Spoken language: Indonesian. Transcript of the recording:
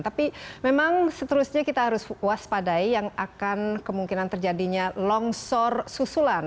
tapi memang seterusnya kita harus waspadai yang akan kemungkinan terjadinya longsor susulan